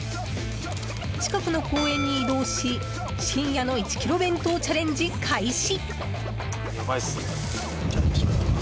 近くの公園に移動し深夜の１キロ弁当チャレンジ開始。